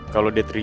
kalau dia teriak